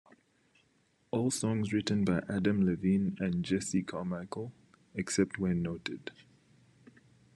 All songs written by Adam Levine and Jesse Carmichael, except where noted.